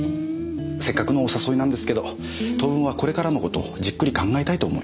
せっかくのお誘いなんですけど当分はこれからの事じっくり考えたいと思います。